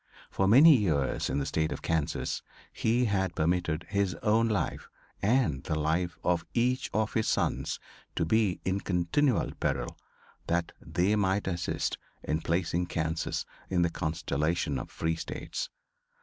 For many years, in the state of Kansas, he had permitted his own life, and the life of each of his sons, to be in continual peril that they might assist in placing Kansas in the constellation of free States.